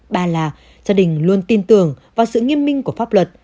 ba là gia đình luôn tin tưởng vào sự nghiêm minh của pháp luật